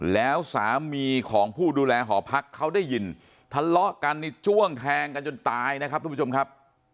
แล้วสามีของผู้ดูแลหอพักเขาได้ยินทะเลาะกันนี่จ้วงแทงกันจนตายนะครับทุกผู้ชมครับ